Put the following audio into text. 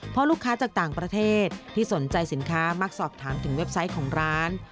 เพราะลูกค้าจากต่างประเทศที่สนใจสินค้ามักสอบถามถึงเว็บไซต์ของร้าน